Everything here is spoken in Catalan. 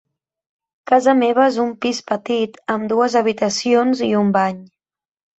Casa meva és un pis petit amb dues habitacions i un bany.